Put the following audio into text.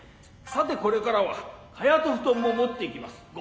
さてこれからは蚊帳と布団も持って行きます。